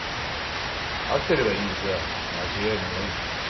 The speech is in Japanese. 合ってればいいんですが間違いも多い。